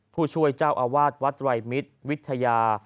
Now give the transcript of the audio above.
ผู้ช่วยเจ้าอาวาสวัดไตรมิตรวิทยา